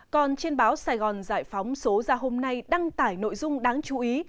còn trên báo sài gòn giải phóng số ra hôm nay đăng tải nội dung đáng chú ý